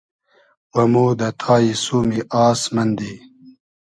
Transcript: و مۉ دۂ تایی سومی آس مئندی